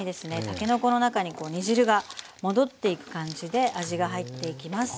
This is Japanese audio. たけのこの中に煮汁が戻っていく感じで味が入っていきます。